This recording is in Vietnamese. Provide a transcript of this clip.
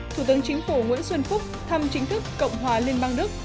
thủ tướng chính phủ nguyễn xuân phúc thăm chính thức cộng hòa liên bang đức